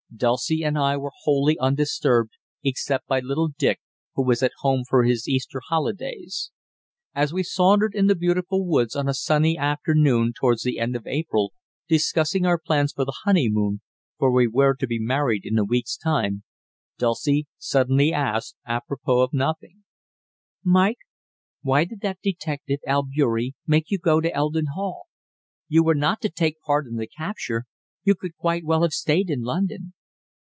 Dulcie and I were wholly undisturbed, except by little Dick, who was at home for his Easter holidays. As we sauntered in the beautiful woods on a sunny afternoon towards the end of April, discussing our plans for the honeymoon for we were to be married in a week's time Dulcie suddenly asked, apropos of nothing: "Mike, why did that detective, Albeury, make you go to Eldon Hall? You were not to take part in the capture. You could quite well have stayed in London."